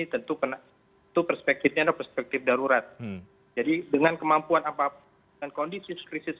tentu perspektifnya adalah perspektif darurat jadi dengan kemampuan apa pun dengan kondisi krisis